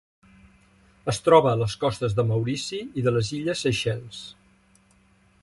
Es troba a les costes de Maurici i de les Illes Seychelles.